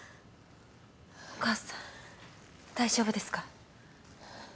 お母さん大丈夫ですか？